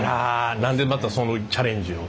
何でまたそのチャレンジを？